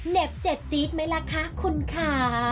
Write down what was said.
เหน็บเจ็บจี๊ดไหมล่ะคะคุณคะ